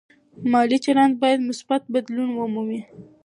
مالي چلند باید مثبت بدلون ومومي.